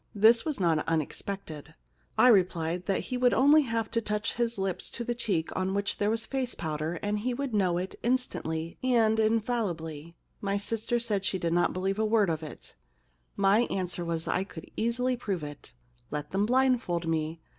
This was not unexpected. * I replied that he would only have to touch with his lips a cheek on which there was face powder and he would know it instantly and infallibly. * My sister said she did not believe a word of it. * My answer was that I could easily prove it. Let them blindfold me.